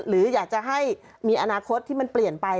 หรืออยากจะให้มีอนาคตที่มันเปลี่ยนไป